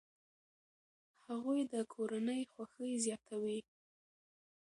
هغوی د کورنۍ خوښي زیاتوي.